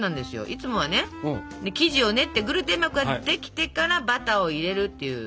いつもはね生地を練ってグルテン膜ができてからバターを入れるっていう。